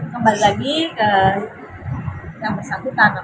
kembali lagi ke yang bersangkutan